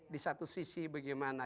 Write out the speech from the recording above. di satu sisi bagaimana